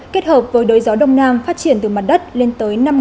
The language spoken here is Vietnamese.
kết hợp với đới gió đông nam phát triển từ mặt đất lên tới năm m